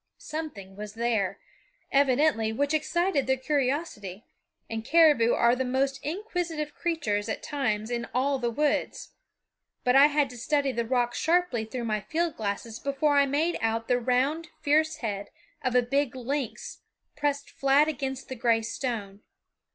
Something was there, evidently, which excited their curiosity, and caribou are the most inquisitive creatures, at times, in all the woods, but I had to study the rock sharply through my field glasses before I made out the round fierce head of a big lynx pressed flat against the gray stone.